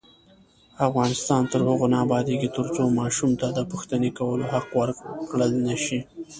افغانستان تر هغو نه ابادیږي، ترڅو ماشوم ته د پوښتنې کولو حق ورکړل نشي.